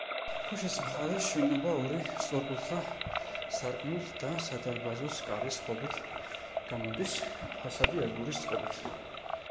ქუჩის მხარეს შენობა ორი სწორკუთხა სარკმლით და სადარბაზოს კარის ღობით გამოდის, ფასადი აგურის წყობით.